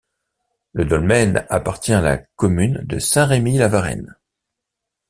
Le dolmen appartient à la commune de Saint-Rémy-la-Varenne.